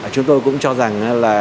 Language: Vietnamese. chúng tôi cũng cho rằng là